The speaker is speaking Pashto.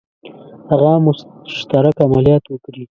هغه مشترک عملیات وکړي.